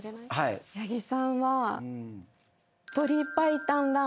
八木さんは。